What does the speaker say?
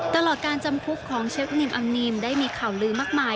ตลอดการจำคุกของเชคนิมอำนิมได้มีข่าวลือมากมาย